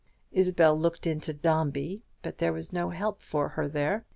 Isabel looked into "Dombey," but there was no help for her there.